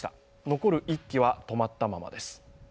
残る１機は止まったままです。